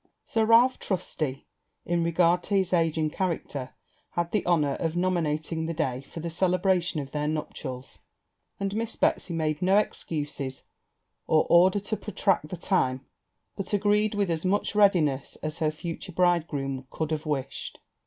Sir Ralph Trusty, in regard to his age and character, had the honour of nominating the day for the celebration of their nuptials; and Miss Betsy made no excuses, or order to protract the time, but agreed with as much readiness as her future bridegroom could have wished.